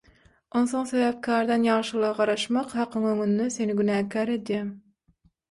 Onsoň sebäpkärden ýagşylyga garaşmak Hakyň öňünde seni günäkär edýär.